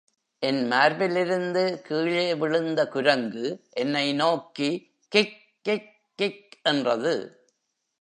என் மார்பிலிருந்து கீழே விழுந்த குரங்கு என்னை நோக்கி கிக் கிக் கிக் என்றது.